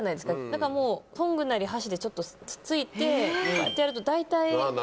だからトングなり箸でちょっとつついてこうやってやると大体。